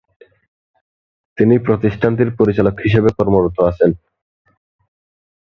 তিনি প্রতিষ্ঠানটির পরিচালক হিসেবে কর্মরত আছেন।